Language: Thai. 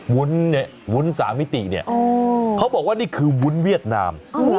วุ้นเนี่ยวุ้น๓มิติเนี่ยเขาบอกว่านี่คือวุ้นเวียดนาม